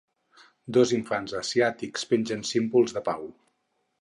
Dos infants asiàtics pengen símbols de pau